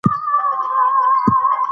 د کرکټ نړۍوال اتلان هر کال بدلېږي.